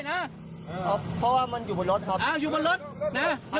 ตำรวจต้องไล่ตามกว่าจะรองรับเหตุได้